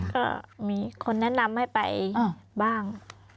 ก็มีคนแนะนำให้ไปบ้าง